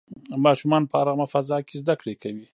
ماشومان په ارامه فضا کې زده کړې کوي.